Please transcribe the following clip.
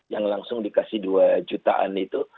yang langsung dikasih dua jutaan itu